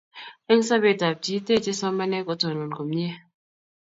en sobetab chi teche somanee kotonon komie